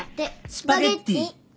スパゲティ。